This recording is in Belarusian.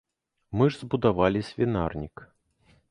Мы ж збудавалі свінарнік.